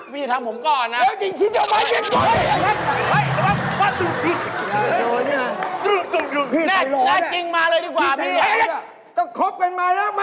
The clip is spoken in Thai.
นังน็งพี่ทำของก่อนนะ